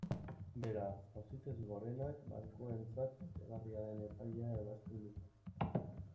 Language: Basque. Beraz, Auzitegi Gorenak bankuentzat kaltegarria den epaia ebazten du.